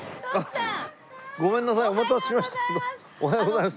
おはようございます。